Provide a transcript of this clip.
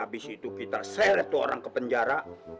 habis itu kita selektu orang ke penjara